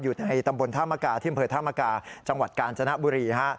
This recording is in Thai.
อยู่ในตำบลท่ามกาที่เผยท่ามกาจังหวัดการณ์จน้าบุรีฮะ